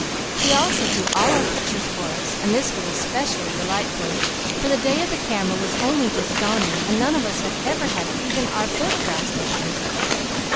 He also drew all our pictures for us, and this was especially delightful, for the day of the camera was only just dawning and none of us had ever had even our photographs taken.